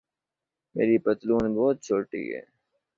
میری پتلون بہت چھوٹی ہے